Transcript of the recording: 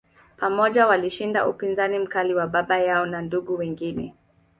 Pamoja, walishinda upinzani mkali wa baba yao na ndugu wengine.